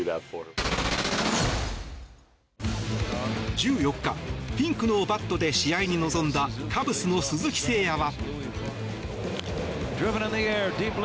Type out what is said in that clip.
１４日ピンクのバットで試合に臨んだカブスの鈴木誠也は。